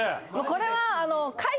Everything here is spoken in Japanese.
これは。